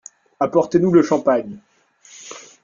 Apportez-nous le champagne.